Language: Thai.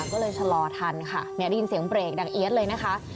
ก็เลยชะลอทันค่ะเนี่ยได้ยินเสียงเบรกดังเอี๊ยดเลยนะคะ